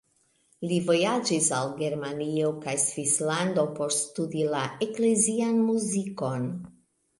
Li vojaĝis al Germanio kaj Svislando por studi la eklezian muzikon.